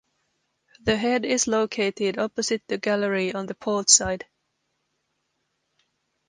The head is located opposite the gallery on the port side.